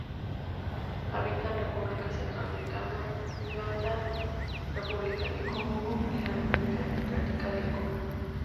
Habita en República Centroafricana, Uganda, República del Congo y la República Democrática del Congo.